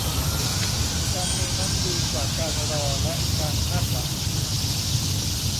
การมีนั้นดีกว่าการรอและการคาดหวัง